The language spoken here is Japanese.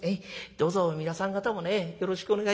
どうぞ皆さん方もねよろしくお願い。